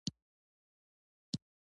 مړه ته د دعا ارزښت پوهېږو